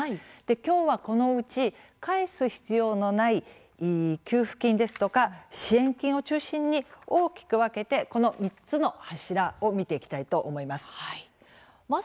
きょうは、このうち返す必要のない給付金ですとか支援金を中心に大きく分けてこの３つの柱を見ていきたいと思います。